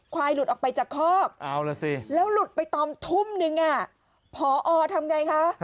หลุดออกไปจากคอกแล้วหลุดไปตอนทุ่มนึงพอทำไงคะ